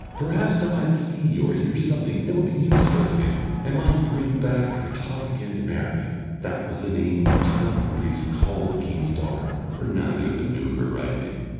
Perhaps I might see or hear something that would be useful to me, and might bring back her talk again to Mary" that was the name himself and the priest called the king's daughter, for neither of them knew her right name.